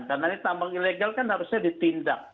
karena ini tambang ilegal kan harusnya ditindak